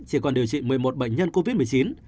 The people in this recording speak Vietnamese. chỉ còn điều trị một mươi một bệnh nhân covid một mươi chín